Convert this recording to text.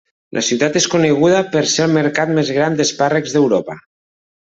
La ciutat és coneguda per ser el mercat més gran d'espàrrecs d'Europa.